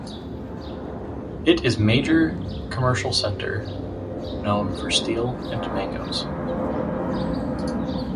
It is major commercial center known for steel and mangos.